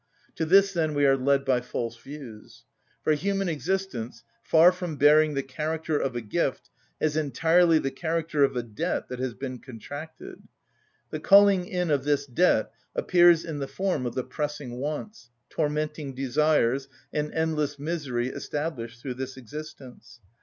To this, then, we are led by false views. For human existence, far from bearing the character of a gift, has entirely the character of a debt that has been contracted. The calling in of this debt appears in the form of the pressing wants, tormenting desires, and endless misery established through this existence.